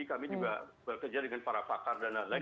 kami juga bekerja dengan para pakar dan lain lain